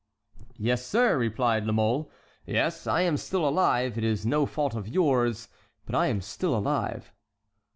"Yes, sir," replied La Mole; "yes, I am still alive. It is no fault of yours, but I am still alive."